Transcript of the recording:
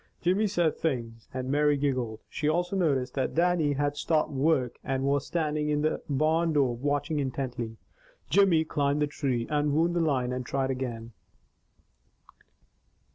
Jimmy said things and Mary giggled. She also noticed that Dannie had stopped work and was standing in the barn door watching intently. Jimmy climbed the tree, unwound the line and tried again.